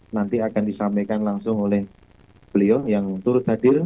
nanti akan disampaikan langsung oleh beliau yang turut hadir